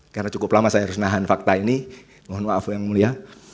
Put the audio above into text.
karena cukup lama saya harus nahan fakta ini mohon maaf ya yang mulia